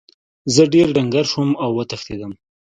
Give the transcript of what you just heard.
زه ډیر ډنګر شوم او وتښتیدم.